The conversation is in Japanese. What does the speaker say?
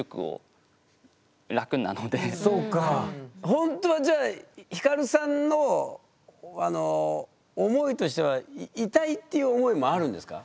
ほんとはじゃあヒカルさんの思いとしては「いたい」っていう思いもあるんですか？